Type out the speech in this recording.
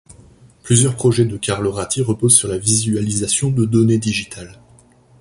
Plusieurs projets de Carlo Ratti reposent sur la visualisation de données digitales.